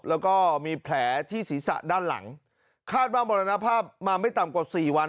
แล้วก็มีแผลที่ศีรษะด้านหลังคาดว่ามรณภาพมาไม่ต่ำกว่าสี่วัน